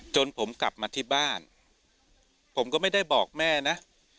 จนผมกลับมาที่บ้านผมก็ไม่ได้บอกแม่นะ